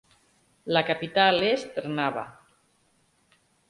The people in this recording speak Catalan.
La capital és Trnava.